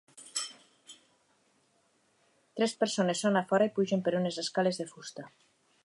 Tres persones són a fora i pugen per unes escales de fusta.